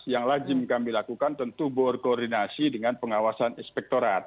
yang lajim kami lakukan tentu berkoordinasi dengan pengawasan inspektorat